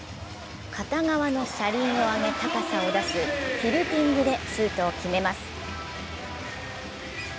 片側の車輪を上げ高さを出すティルティングでシュートを決めます。